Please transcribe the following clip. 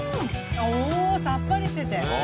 おおさっぱりしてて。